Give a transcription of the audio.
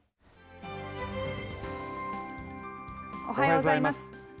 おはようございます。